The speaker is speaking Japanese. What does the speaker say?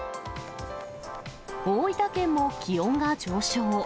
大分県も気温が上昇。